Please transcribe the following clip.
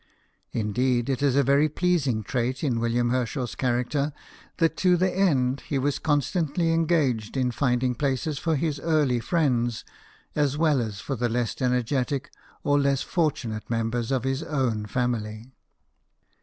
Indeed, it is a very pleasing trait in William Herschel's character that to the end he was constantly engaged in finding places for his early friends, as well as for the less energetic or less fortunate members of his own family.